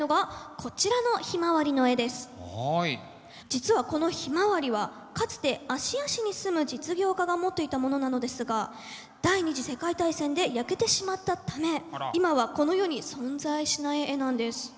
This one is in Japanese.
実はこの「ヒマワリ」はかつて芦屋市に住む実業家が持っていたものなのですが第２次世界大戦で焼けてしまったため今はこの世に存在しない絵なんです。